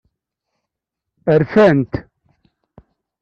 Rfant.